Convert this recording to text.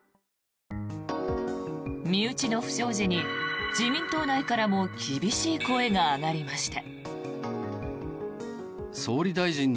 身内の不祥事に自民党内からも厳しい声が上がりました。